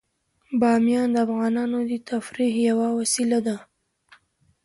بامیان د افغانانو د تفریح یوه وسیله ده.